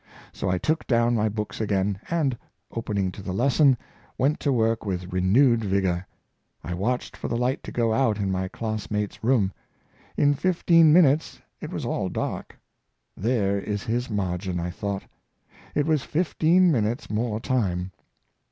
So I took down my books again, and, opening to the lesson, went to work with renewed vigor. I watched for the light to go out in my classmate's room. In fifteen minutes it was all dark. " There is his margin," I thought. It was fifteen minutes more time.